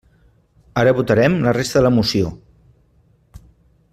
Ara votarem la resta de la moció.